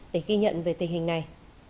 để ghi nhận về tình hình này